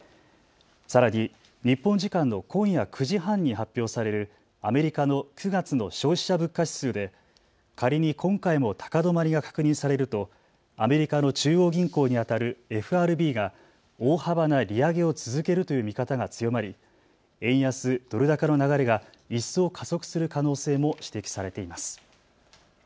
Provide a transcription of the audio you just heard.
さらに日本時間の今夜９時半に発表されるアメリカの９月の消費者物価指数で仮に今回も高止まりが確認されるとアメリカの中央銀行にあたるＦＲＢが大幅な利上げを続けるという見方が強まり円安ドル高の流れが一層、加速する可能性も指摘されています。